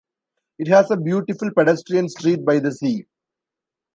It has a beautiful pedestrian street by the sea.